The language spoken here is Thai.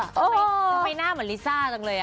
ก็ไปหน้าเหมือนริซ่าจังเลยอะ